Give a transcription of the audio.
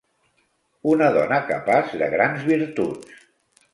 Una dona capaç de grans virtuts.